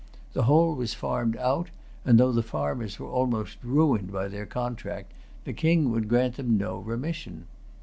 The whole was farmed out; and though the farmers were almost ruined by their contract, the King would grant them no remission.